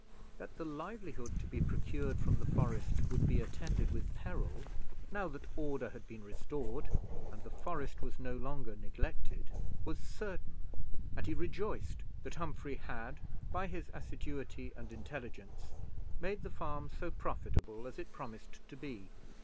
That the livelihood to be procured from the forest would be attended with peril, now that order had been restored, and the forest was no longer neglected, was certain; and he rejoiced that Humphrey had, by his assiduity and intelligence, made the farm so profitable as it promised to be.